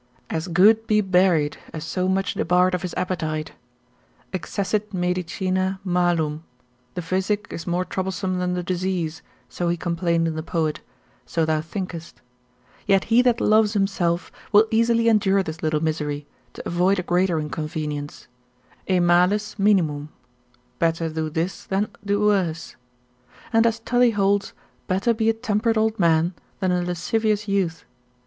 as good be buried, as so much debarred of his appetite; excessit medicina malum, the physic is more troublesome than the disease, so he complained in the poet, so thou thinkest: yet he that loves himself will easily endure this little misery, to avoid a greater inconvenience; e malis minimum better do this than do worse. And as Tully holds, better be a temperate old man than a lascivious youth.